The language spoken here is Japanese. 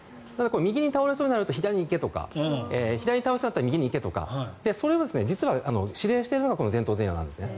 右に倒れそうになると左に行けとか、左に倒されたら右に行けとかそれを実は指令しているのが前頭前野なんですね。